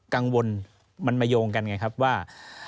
กังวลมันมาโยงกันไงครับว่า